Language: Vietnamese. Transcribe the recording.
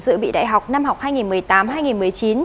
dự bị đại học năm học hai nghìn một mươi tám hai nghìn một mươi chín